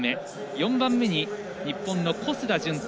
４番目に日本の小須田潤太。